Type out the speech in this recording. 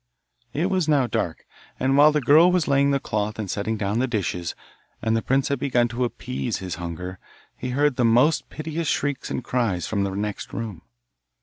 It was now dark, and while the girl was laying the cloth and setting down the dishes, and the prince had begun to appease his hunger, he heard the most piteous shrieks and cries from the next room.